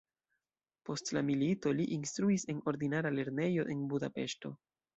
Post la milito li instruis en ordinara lernejo en Budapeŝto.